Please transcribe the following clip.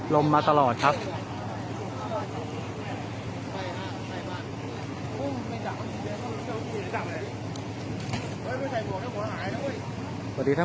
มันก็ไม่ต่างจากที่นี่นะครับ